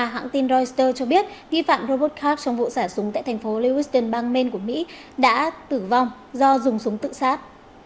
hãng tin reuters cho biết kỳ phạm robot khắc trong vụ sả súng tại thành phố lewiston bang maine của mỹ đã tử vong do dùng súng tự sát